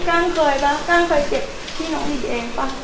ก้างเคยเปล่าก้างเคยเก็บที่น้องหลีเองเปล่า